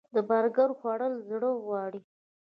د برګر خوړل زړه غواړي